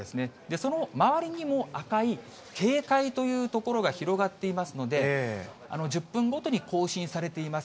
その周りにも赤い警戒という所が広がっていますので、１０分ごとに更新されています。